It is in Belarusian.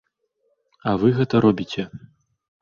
А вы гэта робіце!